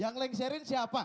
yang lengserin siapa